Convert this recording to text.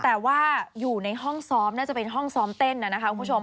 แต่ว่าอยู่ในห้องซ้อมน่าจะเป็นห้องซ้อมเต้นนะคะคุณผู้ชม